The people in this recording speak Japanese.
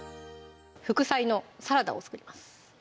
副菜のサラダを作ります